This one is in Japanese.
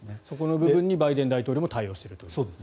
そこの部分にバイデン大統領も対応していると。